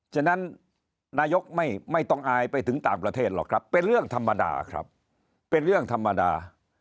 ฉะนั้นนายกไม่ต้องอายไปถึงต่างประเทศหรอกครับเป็นเรื่องธรรมดาครับเป็นเรื่องธรรมดา